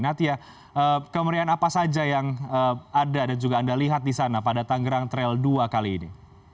natia kemerian apa saja yang ada dan juga anda lihat di sana pada tangerang trail dua kali ini